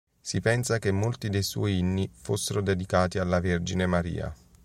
Si pensa che molti dei suoi inni fossero dedicati alla vergine Maria.